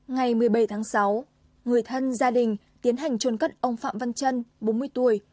ngày một mươi bảy tháng sáu người thân gia đình tiến hành trôn cất ông phạm văn trân bốn mươi tuổi